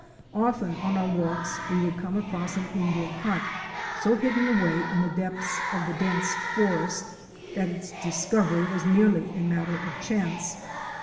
Often on our walks we would come across an Indian hut, so hidden away in the depths of the dense forest that its discovery was merely a matter of chance.